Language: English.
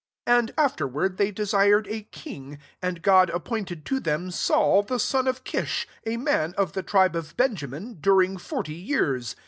21 And after ward they desired a king : and God appointed to them Saul the son of Kish, a man of the tribe of Benjamin, during forty years.